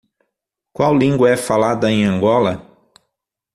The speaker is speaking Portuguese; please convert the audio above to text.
Qual língua é falada em Angola?